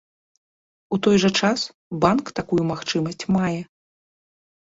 У той жа час, банк такую магчымасць мае.